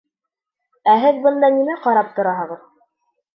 — Ә һеҙ бында нимә ҡарап тораһығыҙ?